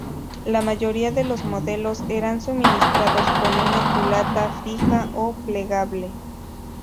La mayoría de los modelos eran suministrados con una culata fija o plegable.